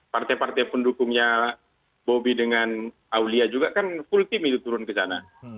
partai partai pendukungnya bobi dengan aulia juga kan full team itu turun ke sana